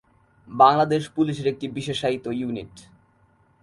বাংলাদেশ পুলিশের একটি বিশেষায়িত ইউনিট।